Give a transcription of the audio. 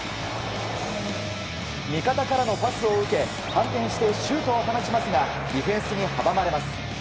味方からのパスを受け反転してシュートを放ちますがディフェンスに阻まれます。